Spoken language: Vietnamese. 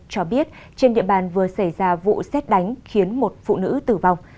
cho biết trên địa bàn vừa xảy ra vụ xét đánh khiến một phụ nữ tử vong